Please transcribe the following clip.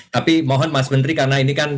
tapi mohon mas menteri karena ini kan